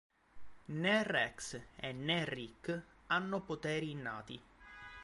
Né Rex e né Rick hanno poteri innati.